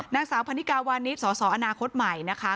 นางสาวพันนิกาวานิสสอนาคตใหม่นะคะ